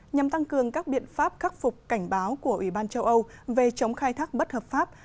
nhằm tăng cường các biện pháp khắc phục cảnh báo của ủy ban châu âu về chống khai thác bất hợp pháp